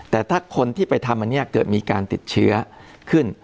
แต่ถ้าคนที่ไปทำอันนี้เกิดมีการติดเชื้อขึ้น